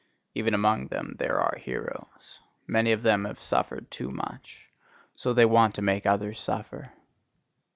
Even among them there are heroes; many of them have suffered too much : so they want to make others suffer.